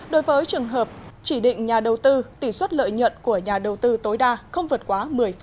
đối với trường hợp chỉ định nhà đầu tư tỷ suất lợi nhuận của nhà đầu tư tối đa không vượt quá một mươi